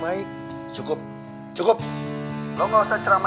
aku harus kutunggu jandamu